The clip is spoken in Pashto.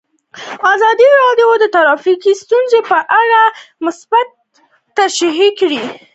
ازادي راډیو د ټرافیکي ستونزې په اړه مثبت اغېزې تشریح کړي.